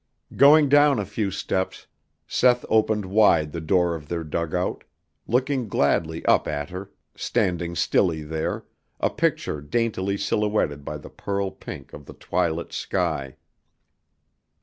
Going down a few steps, Seth opened wide the door of their dugout, looking gladly up at her, standing stilly there, a picture daintily silhouetted by the pearl pink of the twilit sky.